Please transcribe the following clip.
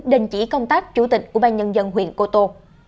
đình chỉ công tác chủ tịch ủy ban nhân dân huyện cô tô